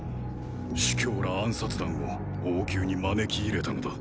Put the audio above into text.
“朱凶”ら暗殺団を王宮に招き入れたのだ。